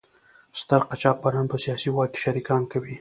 ستر قاچاقبران په سیاسي واک کې شریکان کوي.